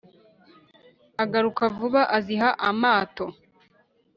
agaruka vuba aziha amato